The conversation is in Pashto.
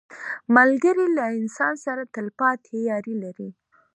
ملګری له انسان سره تل پاتې یاري لري